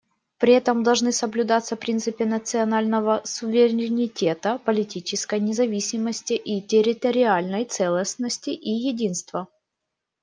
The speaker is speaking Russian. При этом должны соблюдаться принципы национального суверенитета, политической независимости и территориальной целостности и единства.